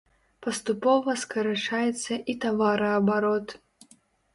Паступова скарачаецца і тавараабарот.